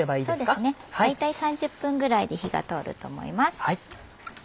そうですね大体３０分ぐらいで火が通ると思います。